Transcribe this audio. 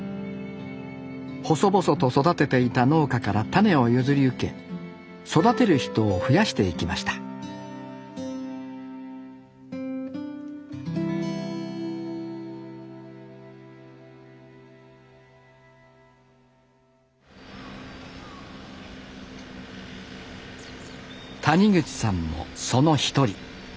細々と育てていた農家から種を譲り受け育てる人を増やしていきました谷口さんもその一人。